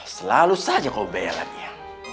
selalu saja kau belan ya